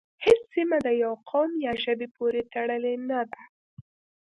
هیڅ سیمه د یوه قوم یا ژبې پورې تړلې نه ده